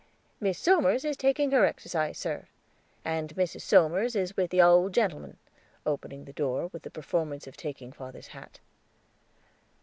"Miss Somers is taking her exercise, sir, and Mrs. Somers is with the owld gentleman"; opening the door, with the performance of taking father's hat.